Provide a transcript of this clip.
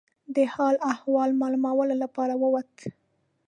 د حال احوال معلومولو لپاره ووت.